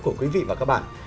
của quý vị và các bạn